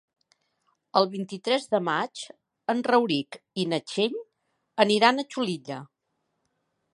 El vint-i-tres de maig en Rauric i na Txell aniran a Xulilla.